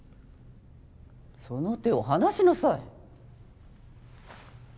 その手を離しなさい。